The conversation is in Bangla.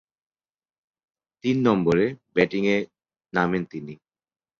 তিন নম্বরে ব্যাটিংয়ে নামেন তিনি।